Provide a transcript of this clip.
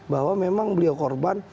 bahwa memang beliau korban